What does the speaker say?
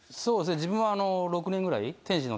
自分は６年ぐらい。